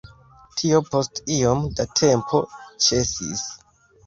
Tio post iom da tempo ĉesis.